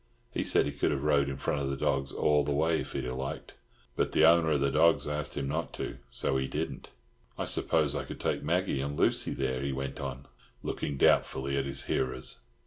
He said he could have rode in front of the dogs all the way, if he'd have liked. But the owner of the dogs asked him not to, so he didn't." "I suppose I could take Maggie and Lucy there," he went on, looking doubtfully at his hearers.